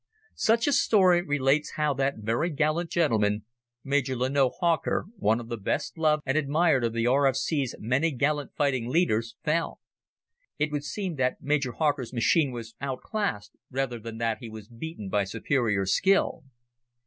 Such a story relates how that very gallant gentleman, Major Lanoe Hawker, one of the best loved and admired of the R.F.C.'s many gallant fighting leaders, fell. It would seem that Major Hawker's machine was outclassed rather than that he was beaten by superior skill.